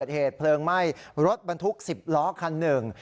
เหตุเพลิงไหม้รถบรรทุก๑๐ล้อคันหนึ่ง